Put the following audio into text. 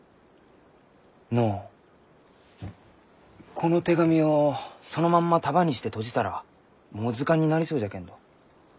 この手紙をそのまんま束にしてとじたらもう図鑑になりそうじゃけんど？